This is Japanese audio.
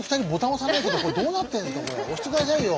押してくださいよ。